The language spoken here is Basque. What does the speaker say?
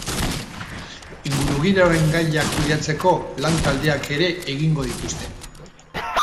Ingurugiroaren gaiak kudeatzeko lan taldeak ere egingo dituzte.